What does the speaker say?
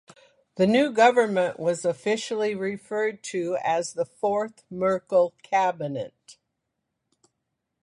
The new government was officially referred to as the Fourth Merkel cabinet.